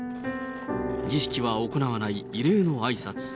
儀式は行わない異例のあいさつ。